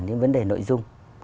những vấn đề nội dung